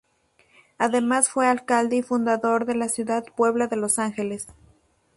Además fue alcalde y fundador de la ciudad Puebla de los Ángeles.